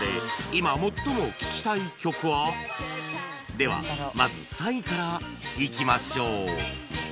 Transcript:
ではまず３位からいきましょう